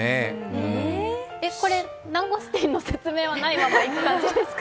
これ、ナンゴスティンの説明はないままいくんですか？